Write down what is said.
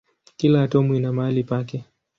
Kila atomu ina mahali pake.